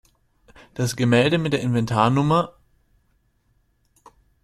Das Gemälde mit der Inventar-Nr.